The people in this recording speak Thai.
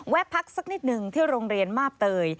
พักสักนิดหนึ่งที่โรงเรียนมาบเตย